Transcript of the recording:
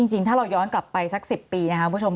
จริงถ้าเราย้อนกลับไปสัก๑๐ปีนะครับคุณผู้ชม